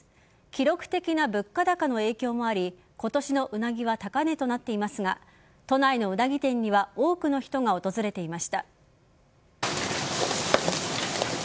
記録的な物価高の影響もあり今年のウナギは高値となっていますが都内のウナギ店には多くの人が訪れていました。